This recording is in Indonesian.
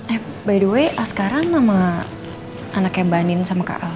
eh by the way sekarang sama anaknya banin sama kak al